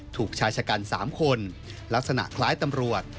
ถูกชายชะกัน๓คนลักษณะคล้ายตำรวจ